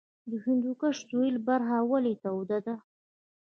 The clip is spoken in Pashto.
د هندوکش سویلي برخه ولې توده ده؟